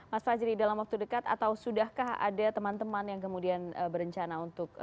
mas fajri dalam waktu dekat atau sudahkah ada teman teman yang kemudian berencana untuk